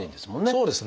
そうですね。